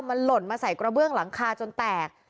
มันหล่นมาใส่กระเบื้องหลังคาจนแตก